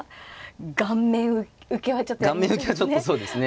顔面受けはちょっとそうですね。